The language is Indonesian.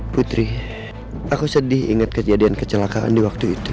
putri aku sedih ingat kejadian kecelakaan di waktu itu